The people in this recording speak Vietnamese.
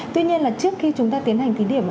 tuy nhiên là trước khi chúng ta tiến hành thí điểm